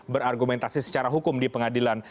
berargumentasi secara hukum di pengadilan